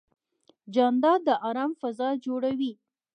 جانداد د ارام فضا جوړوي.